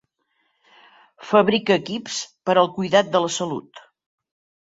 Fabrica equips per al cuidat de la salut.